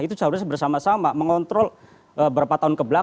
itu seharusnya bersama sama mengontrol beberapa tahun kebelakang